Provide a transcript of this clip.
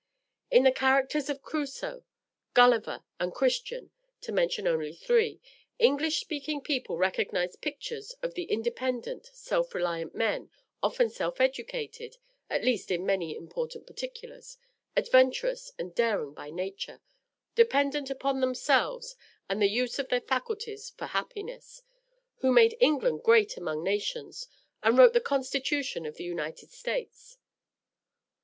In the characters of Crusoe, Gulliver and Christian, to mention only three, English speaking people recognize pictures of the independent, self reliant men, often self educated (at least in many important particulars), adventurous and daring by nature, dependent upon themselves and the use of their faculties for happiness, who made England great among nations, and wrote the Constitution of the United States.